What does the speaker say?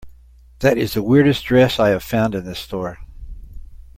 That is the weirdest dress I have found in this store.